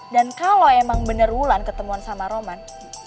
dan kalau emang bener wulan ketemuan sama roman